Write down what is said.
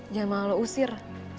jangan malah lo usir